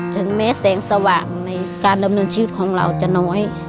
ถึงแม้แสงสว่างในการดำเนินชีวิตของเราจะน้อย